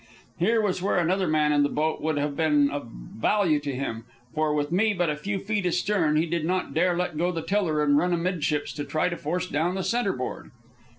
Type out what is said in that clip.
Here was where another man in the boat would have been of value to him; for, with me but a few feet astern, he did not dare let go the tiller and run amidships to try to force down the centre board.